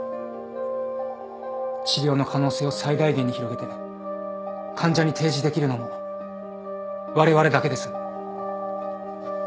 治療の可能性を最大限に広げて患者に提示できるのもわれわれだけです。